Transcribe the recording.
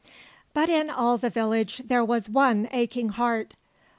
But in all the village there was one aching heart.